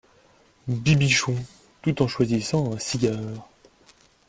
Bibichon, tout en choisissant un cigare.